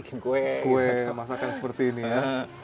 kue masakan seperti ini ya